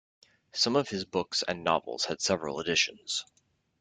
Some of his books and novels had several editions.